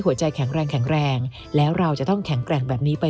แข็งแรงแข็งแรงแล้วเราจะต้องแข็งแกร่งแบบนี้ไป